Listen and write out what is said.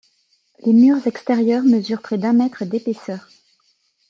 Les murs extérieurs mesurent près d'un mètre d'épaisseur.